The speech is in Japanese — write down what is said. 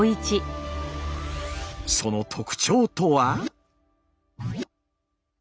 その特徴とは？